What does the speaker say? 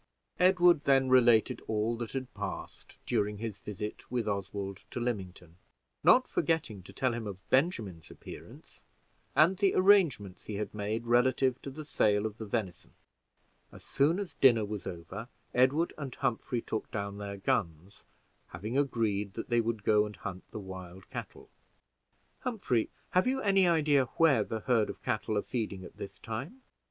Edward then related all that had passed during his visit with Oswald to Lymington, not forgetting to tell him of Benjamin's appearance, and the arrangements he had made relative to the sale of the venison. As soon as dinner was over, Edward and Humphrey took down their guns, having agreed that they would go and hunt the wild cattle. "Humphrey, have you any idea where the herd of cattle are feeding at this time?"